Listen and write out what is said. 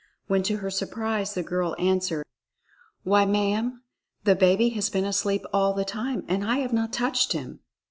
when to her surprise the girl answered, "Why, ma'am, the baby has been asleep all the time and I have not touched him."